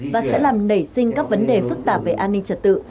và sẽ làm nảy sinh các vấn đề phức tạp về an ninh trật tự